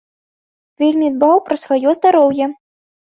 Вельмі дбаў пра сваё здароўе.